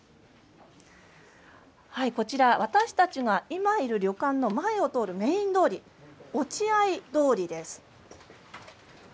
私たちが今いる旅館の前を通るメイン通り、落合通りです。